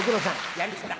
やりきった。